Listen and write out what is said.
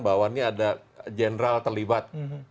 bahwa ini ada general terlibat